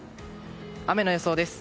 雨の予想です。